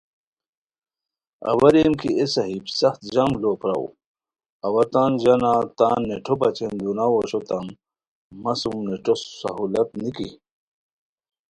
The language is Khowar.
اوا ریم کی اے صاحب سخت جم لُو پراؤ اوا تان ژانہ تان نیٹو بچین دوناؤ اوشوتام، مہ سُم نیٹو سہولت نِکی